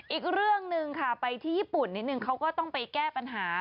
อีกเรื่องหนึ่งค่ะไปที่ญี่ปุ่นนิดนึงเขาก็ต้องไปแก้ปัญหา